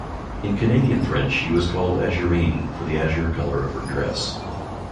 In Canadian French she was called Azurine, from the azure color of her dress.